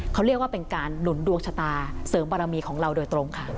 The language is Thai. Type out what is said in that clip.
เขาเรียกว่าเป็นการหนุนดวงชะตาเสริมบารมีของเราโดยตรงค่ะ